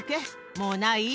もうない？